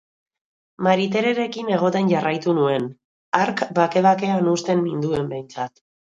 Maritererekin egoten jarraitu nuen, hark bake-bakean uzten ninduen behintzat.